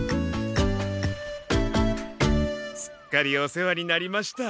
すっかりお世話になりました。